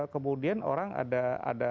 kemudian orang ada